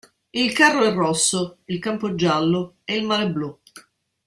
Il carro è rosso, il campo giallo e il mare blu.